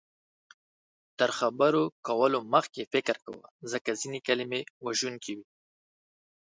تر خبرو کولو مخکې فکر کوه، ځکه ځینې کلمې وژونکې وي